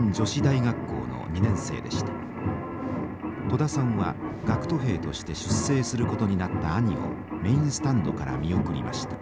戸田さんは学徒兵として出征することになった兄をメインスタンドから見送りました。